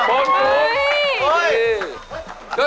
บนสูง